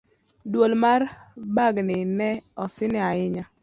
dwol mar mbakgi ne osine ahinya